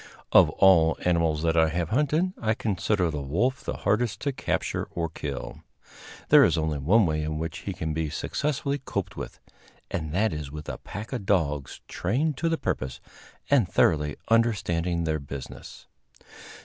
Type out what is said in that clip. Of all animals that I have hunted, I consider the wolf the hardest to capture or kill. There is only one way in which he can be successfully coped with, and that is with a pack of dogs trained to the purpose and thoroughly understanding their business.